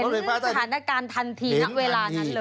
สถานการณ์ทันทีณเวลานั้นเลย